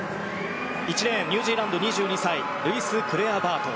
１レーン、ニュージーランド２２歳、ルイス・クレアバート。